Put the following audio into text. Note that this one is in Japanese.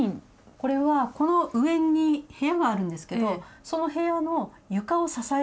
これはこの上に部屋があるんですけどその部屋の床を支えているものなんです。